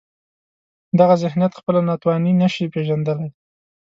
دغه ذهنیت خپله ناتواني نشي پېژندلای.